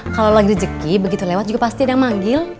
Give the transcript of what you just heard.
kalau lagi rezeki begitu lewat juga pasti ada yang manggil